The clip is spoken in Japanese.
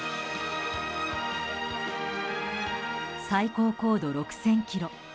最高高度６０００ｋｍ。